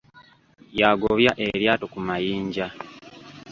Y'agobya eryato ku mayinja.